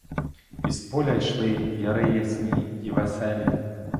Із поля йшли яри ясні й веселі.